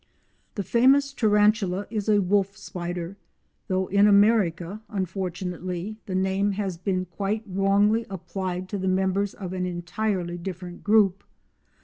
The famous Tarantula is a wolf spider, though in America, unfortunately, the name has been quite wrongly applied to the members of an entirely different group.